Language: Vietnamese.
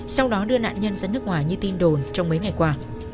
sau đó đưa nạn nhân ra nước ngoài như tin đồn trong mấy ngày qua